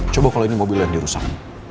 coba kalau ini mobil yang dirusak